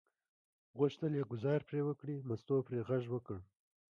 غوښتل یې ګوزار پرې وکړي، مستو پرې غږ وکړ.